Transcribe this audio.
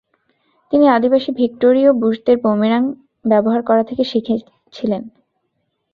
তিনি আদিবাসী ভিক্টোরীয় বুশদের বুমেরাং ব্যবহার করা থেকে শিখেছিলেন।